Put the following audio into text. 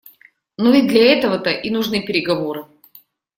Но ведь для этого-то и нужны переговоры.